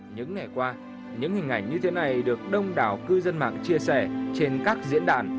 những ngày qua những hình ảnh như thế này được đông đảo cư dân mạng chia sẻ trên các diễn đàn